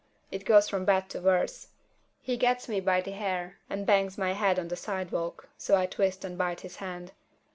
It goes from bad to worse. He gets me by the hair and bangs my head on the sidewalk, so I twist and bite his hand.